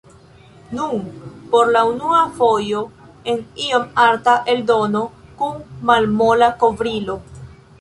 Nun por la unua fojo en iom arta eldono, kun malmola kovrilo.